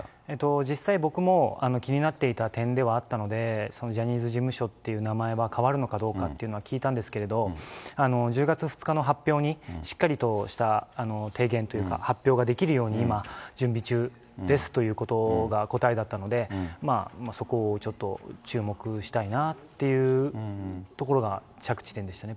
実際、僕も気になっていた点ではあったので、そのジャニーズ事務所って名前は変わるのかどうかっていうのは聞いたんですけれど、１０月２日の発表にしっかりとした提言というか、発表ができるように、今、準備中ですということが答えだったので、そこをちょっと注目したいなっていうところが、着地点でしたね。